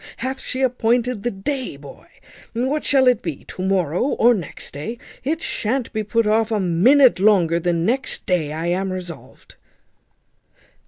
Hath she appointed the day, boy? What, shall it be to morrow or next day? It shan't be put off a minute longer than next day, I am resolved."